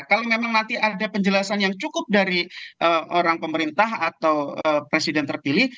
kalau memang nanti ada penjelasan yang cukup dari orang pemerintah atau presiden terpilih